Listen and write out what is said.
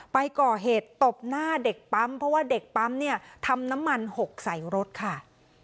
ไปก่อเหตุตบหน้าเด็กปั๊มเพราะว่าเด็กปั๊มเนี่ยทำน้ำมันหกใส่รถค่ะ